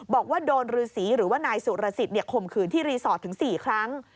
บอกว่าโดนฤษีหรือว่านายสุรสิทธิ์ข่มขืนที่รีสอร์ทถึง๔ครั้ง